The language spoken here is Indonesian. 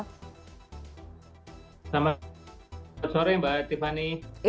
selamat sore mbak tiffany